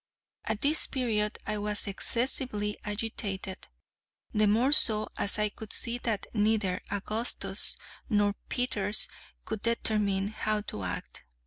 At this period I was excessively agitated, the more so as I could see that neither Augustus nor Peters could determine how to act.